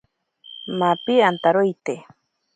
Mapi antaroite.